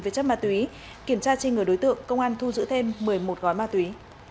về chất ma túy kiểm tra trên người đối tượng công an thu giữ thêm một mươi một gói ma túy